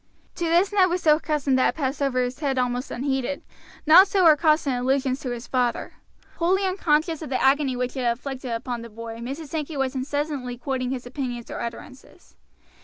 To this Ned was so accustomed that it passed ever his head almost unheeded; not so her constant allusions to his father. Wholly unconscious of the agony which it inflicted upon the boy, Mrs. Sankey was incessantly quoting his opinions or utterances.